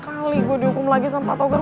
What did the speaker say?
kali gua dihukum lagi sama pak togar